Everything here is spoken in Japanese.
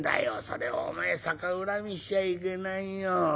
それをお前逆恨みしちゃいけないよ。